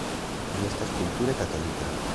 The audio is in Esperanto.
Li estas kulture katolika.